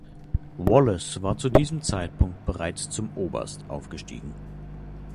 Wallis war zu diesem Zeitpunkt bereits zum Oberst aufgestiegen.